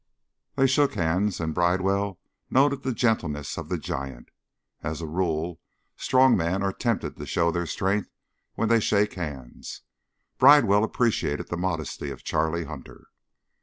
They shook hands, and Bridewell noted the gentleness of the giant. As a rule strong men are tempted to show their strength when they shake hands; Bridewell appreciated the modesty of Charlie Hunter.